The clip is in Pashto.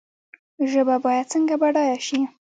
ژبه باید څنګه بډایه شي؟